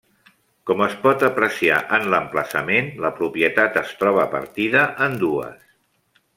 Com es pot apreciar en l'emplaçament, la propietat es troba partida en dues.